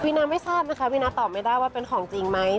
นาไม่ทราบนะคะวีนาตอบไม่ได้ว่าเป็นของจริงไหม